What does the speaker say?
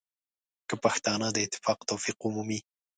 که پښتانه د اتفاق توفیق ومومي.